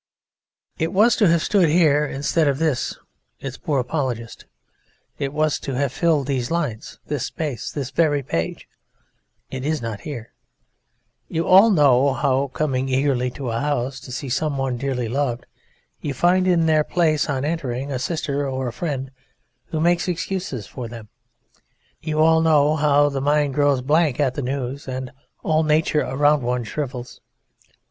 It was to have stood here instead of this, its poor apologist. It was to have filled these lines, this space, this very page. It is not here. You all know how, coming eagerly to a house to see someone dearly loved, you find in their place on entering a sister or a friend who makes excuses for them; you all know how the mind grows blank at the news and all nature around one shrivels.